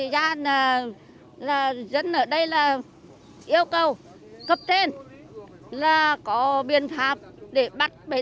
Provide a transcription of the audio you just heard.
vì ra là dân ở đây là yêu cầu cấp trên là có biện pháp để bắt bệnh